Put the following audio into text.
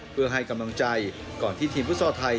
เพื่อให้กำลังใจก่อนที่ทีมฟุตซอลไทย